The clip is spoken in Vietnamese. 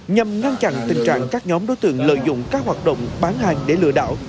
nhằm ngăn chặn tình trạng các nhóm đối tượng lợi dụng các hoạt động bán hàng để lừa đảo